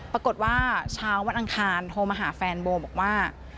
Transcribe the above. ปรากฏว่าเช้าวันอังคารโทรมาหาแฟนโบบอกว่า